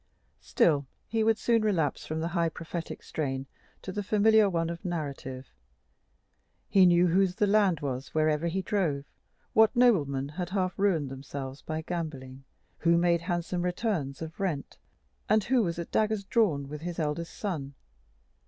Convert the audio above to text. Still he would soon relapse from the high prophetic strain to the familiar one of narrative. He knew whose the land was wherever he drove; what noblemen had half ruined themselves by gambling; who made handsome returns of rent; and who was at daggers drawn with his eldest son.